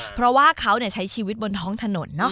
เพราะว่าเขาใช้ชีวิตบนท้องถนน